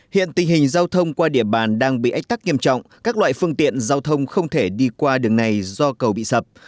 hiện tình hình giao thông qua địa bàn đang bị ách tắc nghiêm trọng các loại phương tiện giao thông không thể đi qua đường này do cầu bị sập